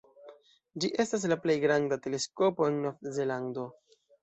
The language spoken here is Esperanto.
Ĝi estas la plej granda teleskopo en Nov-Zelando.